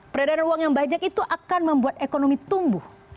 peredaran uang yang banyak itu akan membuat ekonomi tumbuh